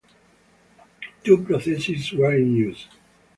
Two processes were in use.